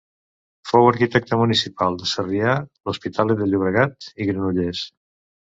Fou arquitecte municipal de Sarrià, l’Hospitalet de Llobregat i Granollers.